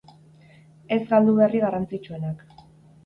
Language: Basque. Ez galdu berri garrantzitsuenak.